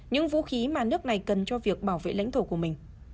những vũ khí mà nước này cần cho việc bảo vệ lãnh thổ của mình